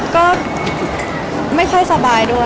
ก็ไม่ค่อยสบายด้วย